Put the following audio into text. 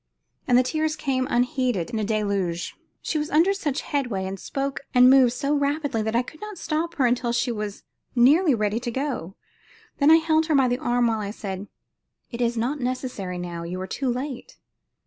And the tears came unheeded in a deluge. She was under such headway, and spoke and moved so rapidly, that I could not stop her until she was nearly ready to go. Then I held her by the arm while I said: "It is not necessary now; you are too late."